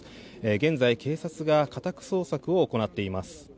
現在、警察が家宅捜索を行っています。